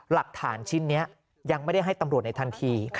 หลักฐานชิ้นนี้ยังไม่ได้ให้ตำรวจในทันที